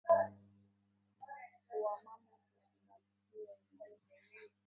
Wa mama tushibakiye nyuma